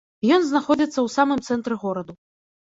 Ён знаходзіцца ў самым цэнтры гораду.